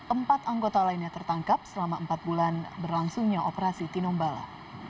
empat anggota lainnya tertangkap selama empat bulan berlangsungnya operasi tinombala